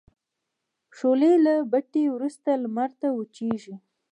شولې له بټۍ وروسته لمر ته وچیږي.